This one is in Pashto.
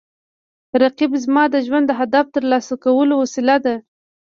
رقیب زما د ژوند د هدف ترلاسه کولو وسیله ده